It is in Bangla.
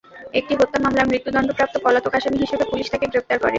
একটি হত্যা মামলার মৃত্যুদণ্ডপ্রাপ্ত পলাতক আসামি হিসেবে পুলিশ তাঁকে গ্রেপ্তার করে।